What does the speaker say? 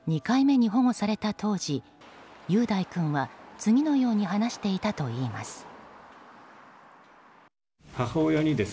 ２回目に保護された当時雄大君は次のように話していたといいます。